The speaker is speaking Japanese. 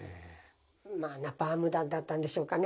まあナパーム弾だったんでしょうかね。